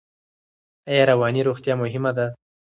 ایا رواني روغتیا مهمه ده؟